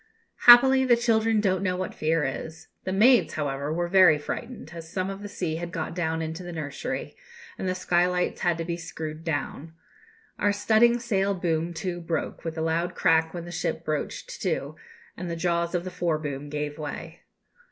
Happily, the children don't know what fear is. The maids, however, were very frightened, as some of the sea had got down into the nursery, and the skylights had to be screwed down. Our studding sail boom, too, broke with a loud crack when the ship broached to, and the jaws of the fore boom gave way.